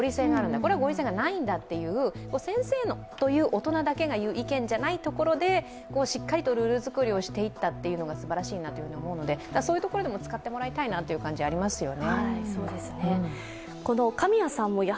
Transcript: これは合理性がないんだという先生という大人だけが言うんじゃないところでしっかりとルール作りをしていったというのがすばらしいなと思うので、そういうところでも使ってもらいたいなという感じはありますよね。